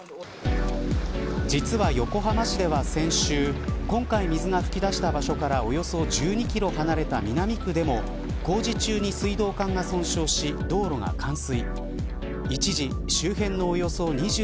実は横浜市では先週今回水が噴き出した場所からおよそ１２キロ離れた南区でも工事中に水道管が損傷し道路が冠水。